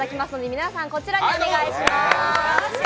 皆さんこちらにお願いします。